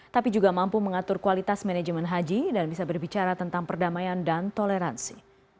tapi juga mampu mengatur kualitas manajemen haji dan bisa berbicara tentang perdamaian dan toleransi